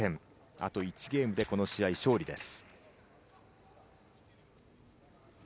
あと１ゲームで、この試合勝利です。